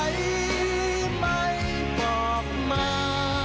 ไหวไม่บอกมา